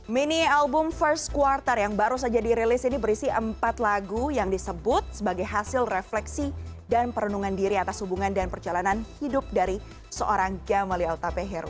mini album first quarter yang baru saja dirilis ini berisi empat lagu yang disebut sebagai hasil refleksi dan perenungan diri atas hubungan dan perjalanan hidup dari seorang gamali al tapeheru